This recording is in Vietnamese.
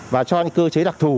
và cho những cơ chế đặc thù